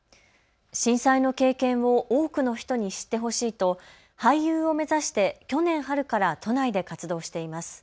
震災の経験を多くの人に知ってほしいと俳優を目指して去年、春から都内で活動しています。